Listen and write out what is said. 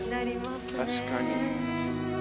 確かに。